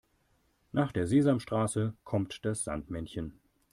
Nach der Sesamstraße kommt das Sandmännchen.